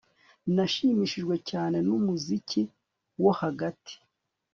Nashimishijwe cyane numuziki wo hagati